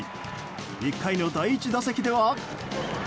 １回の第１打席では。